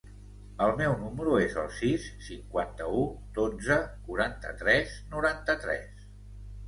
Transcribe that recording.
El meu número es el sis, cinquanta-u, dotze, quaranta-tres, noranta-tres.